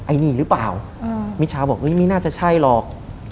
อันนี้หรือเปล่ามิชาบอกไม่น่าจะใช่หรอก